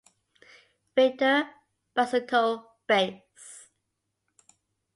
Victor Basurto: Bass.